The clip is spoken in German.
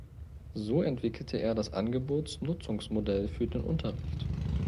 So entwickelte er das Angebots-Nutzungs-Modell für den Unterricht.